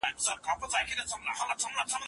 ټولنه له باسواده ښځو پرته پرمختګ نه کوي.